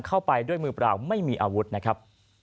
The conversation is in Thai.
เข้าไปด้วยมือเปล่าไม่มีอาวุธนะครับ